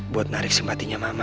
buat narik simpatinya mama